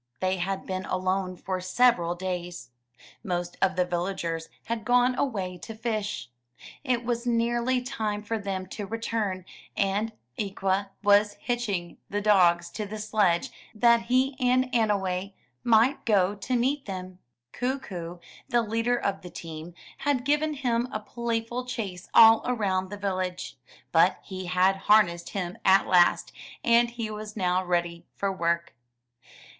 They had been alone for several days. Most of the villagers had gone away to fish. It was nearly time for them to return, and Ikwa was hitching the dogs to the sledge that he and Annowee might go to meet them. Kookoo, the leader of the team, had given him a playful chase all around the village; but he had harnessed him at last, and he was now ready for work.